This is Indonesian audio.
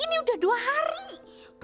ini udah dua hari dua hari